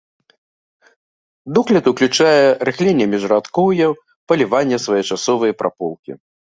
Догляд уключае рыхленне міжрадкоўяў, паліванне, своечасовыя праполкі.